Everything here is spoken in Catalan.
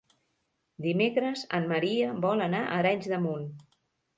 Dimecres en Maria vol anar a Arenys de Munt.